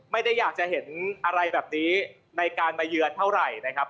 ไม่ได้อยากจะเห็นอะไรแบบนี้ในการมาเยือนเท่าไหร่นะครับ